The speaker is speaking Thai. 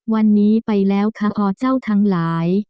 วันนี้ไปแล้วค่ะอเจ้าทั้งหลาย